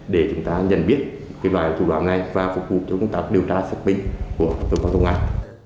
để chúng ta nhận biết cái loại thủ đoạn này và phục vụ cho công tác điều tra sạch bị của cơ quan công an